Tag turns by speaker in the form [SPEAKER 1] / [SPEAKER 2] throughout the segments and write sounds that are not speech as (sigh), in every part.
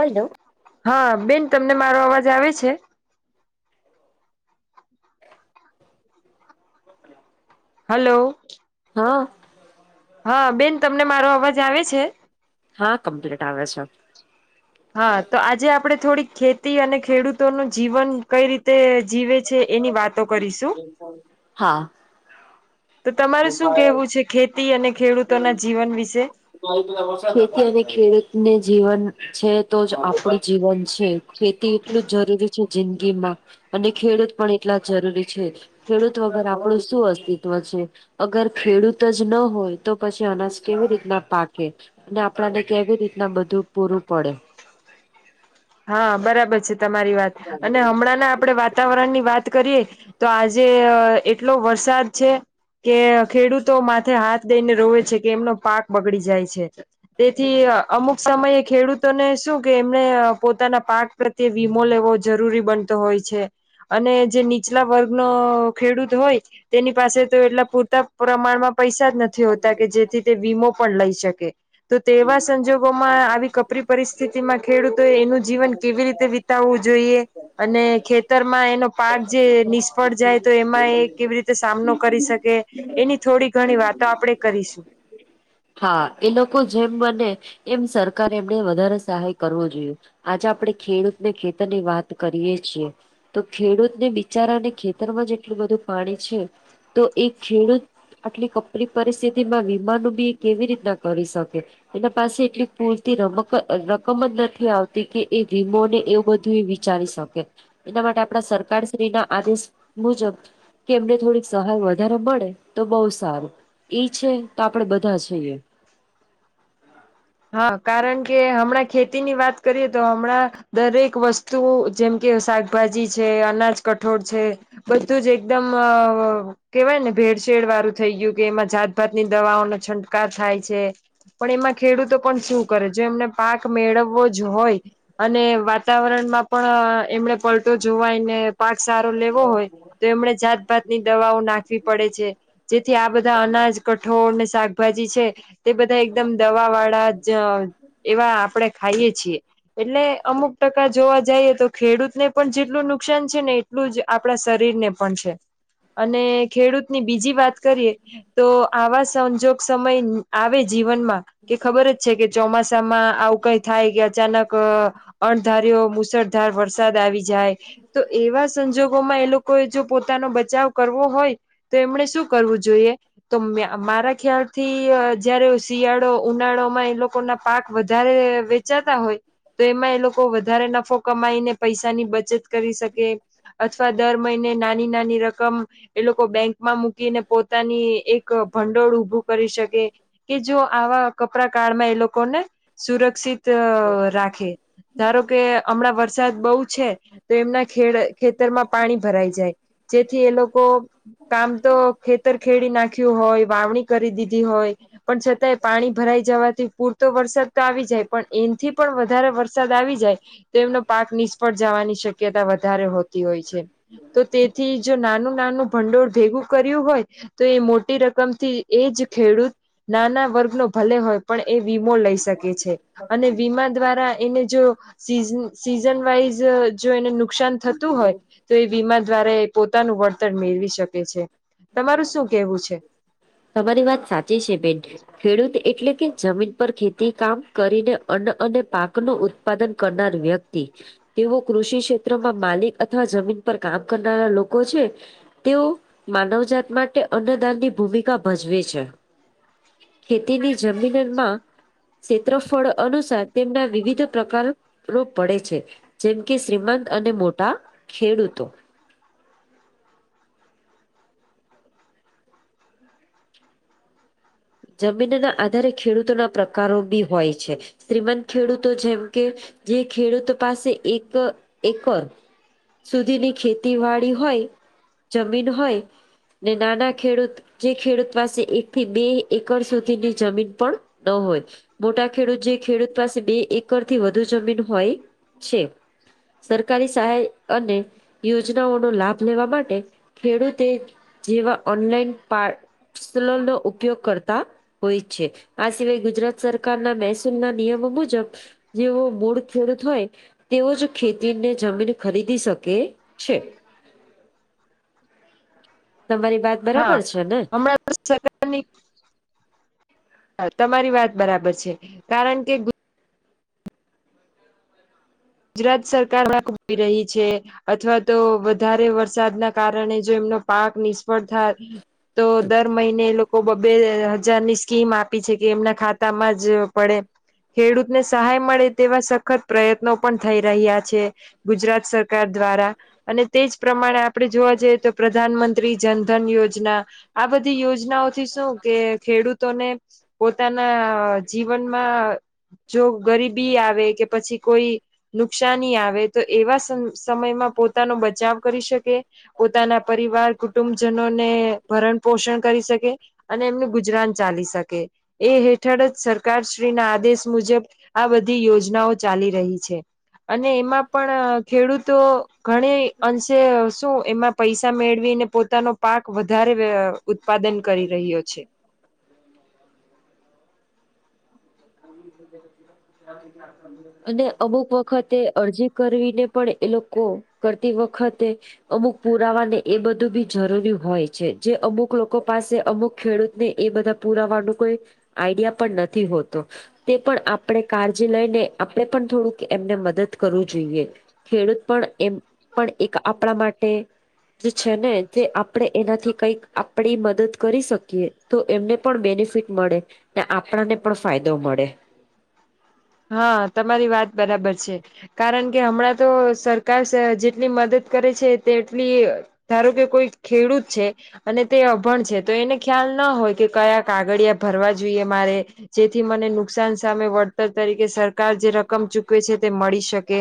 [SPEAKER 1] Hello
[SPEAKER 2] હન, બેન તમને મારો અવાજ આવે છે? હલો.
[SPEAKER 1] હઅ.
[SPEAKER 2] હઅ, બેન તમને મારો અવાજ આવે છે?
[SPEAKER 1] હઅ, કમ્પ્લેટ આવે છે.
[SPEAKER 2] હા, તો આજે આપડે થોડીક ખેતી અને ખેડૂતોનું જીવન કઈ રીતે જીવે છે એની વાતો કરીશું.
[SPEAKER 1] હા
[SPEAKER 2] તો તમાર શું કેહેવું છે ખેતી અને ખેડૂતોના જીવન વિશે?
[SPEAKER 1] ખેતી અને ખેડૂતને જીવન છે, તો જ આપડું જીવન છે. ખેતી એટલું જરૂરી છે, જિંદગીમાં અને ખેડૂત પણ એટલા જરૂરી છે. ખેડૂત વગર આપડુ શું અસ્તિત્વ છે, અગર ખેડૂત જ ન હોય તો પછી અનાજ કેવી રીતના પાકે અને આપડાને કેવી રીતના બધું પૂરું પડે.
[SPEAKER 2] હઅ, બરાબર છે તમારી વાત. અને હમણાંના આપડે વાત તાવરણની વાત કરીએ તો આજે એટલો વરસાદ છે કે ખેડૂતો માથે હાથ દઈને રોવે છે કે એમનો પાક બગડી જાય છે. તેથી અમુક સમયે ખેડૂતોને શું કે એમને અ પોતાના પાક પ્રત્યે વીમો લેવો જરૂરી બનતો હોય છે અને જે નીચલા વર્ગનો ખેડૂત હોય તેની પાસે તો એટલા પૂરતા પ્રમાણમાં પૈસા જ નથી હોતા કે જેથી તે વીમો પણ લઈ શકે. તો તેવા સંજોગો ઓમાં આવી કપરી પરિસ્થિતિમાં ખેડૂતોએ એનું જીવન કેવી રીતે વિ તાવુ જોઈએ અને ખેતરમાં એનો પાક જે નિષ્ફળ જાય તો એ માંએ કેવી રીતે સામનો કરી શકે એની થોડી ઘણી વાતો આપડે કરીશું.
[SPEAKER 1] હા, એ લોકો જેમ બને એમ સરકારે એમને વધારે સહાય કરવો જોઈએ. આજે આપડે ખેડૂતને ખેતરની વાત કરીએ છીએ તો ખેડૂતને બિચારાને ખેતરમાં જેટલું બધું પાણી છે તો એ ખેડૂત આટલી કપરી પરિસ્થિતિમાં વીમાનું બી કેવી રીતના કરી શકે? એના પાસે એટલી પૂરતી રમક રકમ જ નથી આવતી કે એ વીમો ને એવુંય બધું વિ ચારી શકે, એના માટે આપણા સરકારશ્રી ના આદેશ મુજબ કે એમને થોડીક સહાય વધારે મળે, તો બહુ સારું. ઈ છે તો આપડે બધા જ છ ઈએ.
[SPEAKER 2] હા. કારણ કે હમણાં ખેતી ની વાત કરીએ તો હમણાં દરેક વસ્ તું જેમ કે શાકભાજી છે, અનાજ, કઠોળ છે બધું જ એકદમ અહ કેવાય ને ભેળસેેળ વાળું થઈ ગયું કે એમાં જાતભાત ની દવાઓનો છંટકાર થાય છે. પણ એમાં ખેડૂતો પણ શું કરે, જો એમને પાક મેળવવો જ હોય અને વાતાવરણમાં પણ એમણે પલટો જોવાય ને પાક સારો લેવો હોય, તો એમણે જાતભાત ની દવાઓ નાખવી પડે છે, જેથી આ બધા અનાજ, કઠોળ, ને શાકભાજી છે તે બધાય એકદમ દવા વાળા જ એવા આપણેે ખાઈએ છીએ, એટલે અમુક ટકા જ જોવા જઈએ તો ખેડૂત ને પણ જેટલું નુકસાન છે ને, એટલું જ આપણા શરીરને પણ છે. અને ખેડૂત ની બીજી વાત કરીએ, તો આવા સંજોગ સમય આવે જીવનમાં કે ખબર જ છે કે ચોમાસામાં આવું કંઈ થાય કે અચાનક અહ અણધારીયો મુશળધાર વરસાદ આવી જાય તો એવા સંજોગોમાં એ લોકોએ જો પોતાનો બચાવ કરવો હોય તો એમણે શું કરવું જોઈએ, તો મ મારા ખ્યાલથી જયારે અહ શિયાળો ઉનાળોમાં એ લોકો ના પાક વધારે વેચાતા હોય તો એમાં એ લોકો વધારે નફો કમાઈને પૈસાની બચત કરી શકે. અથવા દર મહિને નાની-નાની રકમ ઈ લોકો બેંકમાં મૂકીને પોતાની એક ભંડોળ ઊભું કરી શકે. કે જો આવા કપરા કાળમાં એ લોકોને સુરક્ષિત રાખે, ધારો કે હમણાં વરસાદ બહું છે તો એમના ખેર ખેતરમાં પાણી ભરાઈ જાય, જેથી એ લોકો કામ તો ખેતર ખેડી નાખ્યું હોય, વાવણી કરી દીધી હોય, પણ છતાંય પાણી ભરાઈ જવાથી પૂરતો વરસાદ તો આવી જાય, પણ એનથી પણ વધારે વરસાદ આવી જાય તો એમનો પાક નિષ્ફળ જાવાની શક્યતા વધારે હોતી હોય છે, તો તેથી જો નાનું-નાનું ભંડોળ ભેગું કર્યું હોય તો એ મોટી રકમથી એજ ખેડૂત નાના વર્ગનો ભલે હોય પણ એ વીમો લઈ શકે છે. અને વીમા દ્વારા એને જો સીઝ સીઝન વાઈઝ જો એને નુકસાન થતું હોય તો એ વીમા દ્વારા પોતાનું વળતર મેળવી શકે છે. તમારું શું કેવું છે?
[SPEAKER 1] તમારી વાત સાચી છે બેન. ખેડૂત એટલે કે જમીન પર ખેતી કામ કરીને અન્ન અને પાકનું ઉત ત્પાદન કરનાર વ્યક્તિ. તેઓ કૃષિ ક્ષેત્રમાં માલિક અથવા જમીન પર કામ કરનારા લોકો છે, તેઓ માનવજાત માટે અન્નદાનની ભૂમિકા ભજવે છે, ખેતીની જમીનમાં ક્ષેત્રફળ અનુસાર તેમના વિવિધ પ્રકાર રો પડે છે. જેમ કે, શ્રીમંત અને મોટા ખેડૂતો. (inaudible) (inaudible) જમીનના આધારે ખેડૂતોના પ્રકારો ભી હોય છે. શ્રીમંત ખેડૂતો જેમ કે જે ખેડૂતો પાસે એક એકર સુધીની ખેતીવાડી હોય, જમીન હોયને નાના ખેડૂત જે ખેડૂત પાસે, એકથી બે એકર સુધીની જમીન પણ ન હોય. મોટા ખેડૂત જે ખેડૂત પાસે બે એકરથી વધુ જમીન હોય છે, સરકારી સહાય અને યોજનાઓનો લાભ લેવા માટે ખેડૂતે, જેવા ઓનલાઈન પા પાસલો નો ઉપયોગ કર તા હોય છે, આ સિવાય ગુજરાત સરકારના મહેસૂલના નિયમો મુજબ. જેવો બોળ ખેડૂત હોય. તેઓ જ ખેતીને જમીન ખરીદી શકે છે, તમારી વાત
[SPEAKER 2] હા,
[SPEAKER 1] બરાબર છે ને
[SPEAKER 2] હમણાં તમારી વાત બરાબર છે, કારણ કે ગુજરાત સરકાર રાખી રહી છે, અથવા તો વધારે વરસાદના કારણે જો એમનો પાક નિષ્ફળ થાય. તો દર મહિને લો કો બબે હજારની સ્કીમ આપી છે, કે એમના ખાતામાં જ પડે. ખેડૂતને સહાય મળે તેવા સખત પ્રયત્નો પણ થઈ રહ્યા છે, ગુજરાત સર સરકાર દ્વારા અને તે જ પ્રમાણે આપણે જોવા જઈએ તો પ્રધાનમંત્રી જનધન યોજના, આ બધી યોજનાઓથી શું કે ખેડૂતોને, પોતાના જીવનમાં જો ગરીબી આવે, કે પછી કોઈ નુકસાની આવે તો એવા સમયમાં પોતાનો બચાવ કરી શકે. પોતાના પરિવાર કુટુંબજનોને ભરણ પોષણ કરી શકે અને એમનું ગુજરાન ચાલી શકે એ હેઠળ જ સરકારશ્રી ના આદેશ મુજબ આ બધી યોજનાઓ ચાલી રહી છે અને એમાં પણ ખેડૂતો ઘણી અંશે શું એમાં પૈસા તે મેળવી ને પોતાનો પાક વધારે ઉત્પાદન કરી રહ્યો છે
[SPEAKER 1] અને અમુક વખતે અરજી કરવીને પણ એ લોકો કરતી વખતે અમુક પુરાવાને એ બધું બી જરૂરી હોય છે જે અમુક લોકો પાસે અમુક ખેડૂત ને એ બધા પુરાવાનું કોઈ આઈડિયા પણ નથી હોતો તે પણ આપણે કાજીે લઈને આપણે પણ થોડુંક એમને મદદ કરવું જોઈએ ખેડૂત પણ એમ પણ એક આપણા માટે જે છે ને જે આપણે એનાથી કઈક આપડી મદદ કરી શકીએ તો એમને પણ બેનિફિટ મળે ને આપણને પણ ફાયદો મળે
[SPEAKER 2] હા તમારી વાત બરાબર છે કારણ કે હમણાં તો સરકાર જેટલી મદદ કરે છે તેટલી ધારું કે કોઈ ખેડૂત છે અને તે અભણ છે તો એને ખ્યાલ ના હોય કે કયા કાગળિયા ભરવા જોઈએ મારે જેથી મને નુકસાન સામે વળતર તરીકે સરકાર જે રકમ ચૂકવે છે તે મળી શકે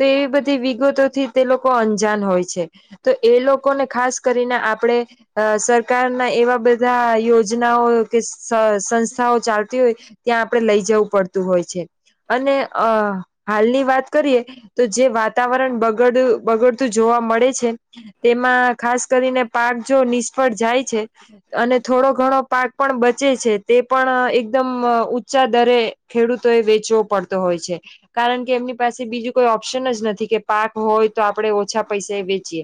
[SPEAKER 2] તેવી બધી વિગતોથી તે લોકો અંજાન હોય છે તો એ લોકોને ખાસ કરીને આપડે અ સરકારના એવા બધા યોજનાઓ કે સંસ્થાઓ ચાલતી હોય ત્યાં આપડે લઈ જવું પડતું હોય છે અને અ હાલની વાત કરીએ તો જે વાતાવરણ બગડ બગડતું જોવા મળે છે તેમાં ખાસ કરીને પાક જો નિષ્ફળ જાય છે અને થોડો ઘણો પાક પણ બચે છે તે પણ એકદમ ઊંચા દરે ખેડૂતો એ વેચવો પડતો હોય છે કારણ કે એમની પાસે બીજું કોઈ ઓપ્શન જ નથી કે પાક હોય તો આપણે ઓછા પૈસા વેચીએ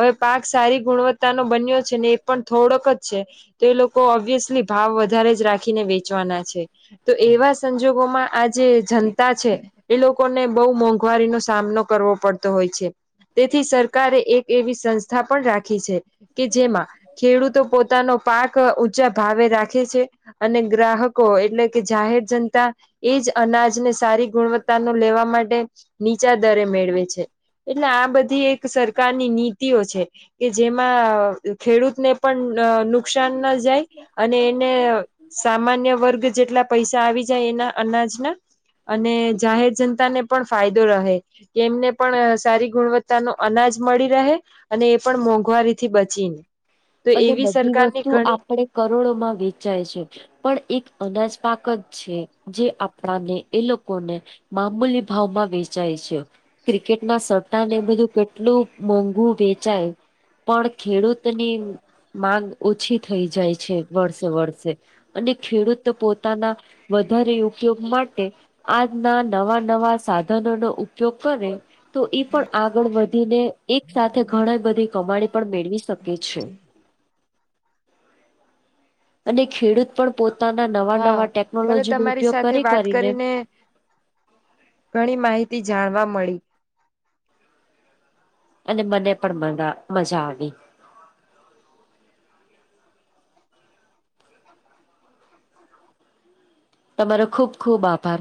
[SPEAKER 2] હવે પાક સારી ગુણવ તા નો બન્યો છે ને એ પણ થોડોક જ છે તો એ લોકો ઓબ્વિયસલી ભાવ વધારે જ રાખીને વેચવાના છે. તો એવા સંજોગોમાં આજે જનતા છે. એ લોકોને બહુ મોંઘવારીનો સામનો કરવો પડતો હોય છે. તેથી સરકારે એક એવી સંસ્થા પણ રાખી છે. કે જેમાં ખેડૂતો પોતાનો પાક ઊચા ભાવે રાખે છે, અને ગ્રાહકો એટલે કે જાહેર જનતા એજ અનાજને સારી ગુણવત્તા નો લેવા માટે નીચા દરે મેળવે છે. એટલે આ બધી એક સરકારની નીતિઓ છે. જેમાં ખેડૂતને પણ નુકસાન ન જાય અને એને સામાન્ય વર્ગ જેટલા પૈસા આવી જાય એના અનાજના અને જાહેર જનતા ને પણ ફાયદો રહે કે એમને પણ સારી ગુણવત્તા નો અનાજ મળી રહે અને એ પણ મોંઘવારીથી બચીને તો એવી સરકારની ઘણી
[SPEAKER 1] કરોડો માં વેચાય છે. પણ એક અનાજ પાક જ છે જે આપણાને એ લોકોને મામૂલી ભાવમાં વેચાય છે ક્રિકેટના સટા ને એ બધું કેટલું મોંઘું વેચાય પણ ખેડૂતની માંગ ઓછી થઈ જાય છે વર્ષે વર્ષે અને ખેડૂતો પોતાના વધારે ઉપયોગ માટે આજના નવા નવા સાધનો નો ઉપયોગ કરે તો ઈ પણ આગળ વધીને એક સાથે ઘણી બધી કમાણી પણ મેળવી શકે છે. અને ખેડૂત પણ પોતાના નવા
[SPEAKER 2] હા
[SPEAKER 1] નવા
[SPEAKER 2] મને
[SPEAKER 1] ટેકનોલોજી નો
[SPEAKER 2] તમારી
[SPEAKER 1] ઉપયોગ
[SPEAKER 2] સાથે
[SPEAKER 1] કરી
[SPEAKER 2] વાત
[SPEAKER 1] કરીને
[SPEAKER 2] ઘણી માહિતી જાણવા મળી.
[SPEAKER 1] અને મને પણ મ મજા આવી તમારો ખુબ ખુબ આભાર.